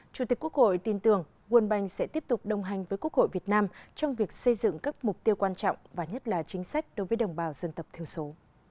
chủ tịch quốc hội tin tưởng quân banh sẽ tiếp tục đồng hành với quốc hội việt nam trong việc xây dựng các mục tiêu quan trọng và nhất là chính sách đối với đồng bào dân tộc thiểu số